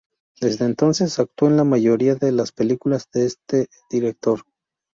Desde entonces actuó en la mayoría de las películas de este director.